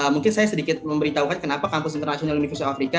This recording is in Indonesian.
mungkin saya sedikit memberitahukan kenapa kampus international university of africa